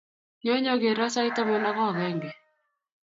Nyoo nyogero sait taman ago agenge